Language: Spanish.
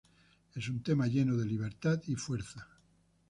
Es un tema lleno de libertad y fuerza.